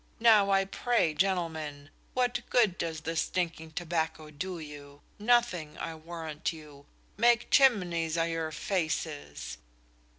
Now I pray, gentlemen, what good does this stinking tobacco do you? Nothing, I warrant you; make chimneys a' your faces!"